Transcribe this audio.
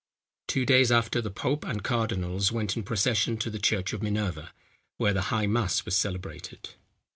Two days after, the pope and cardinals went in procession to the church of Minerva, when high mass was celebrated.